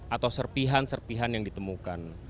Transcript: atau serpihan serpihan yang ditemukan